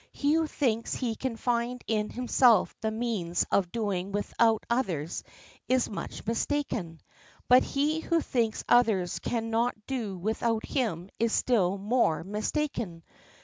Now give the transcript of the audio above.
He who thinks he can find in himself the means of doing without others is much mistaken. But he who thinks others can not do without him is still more mistaken.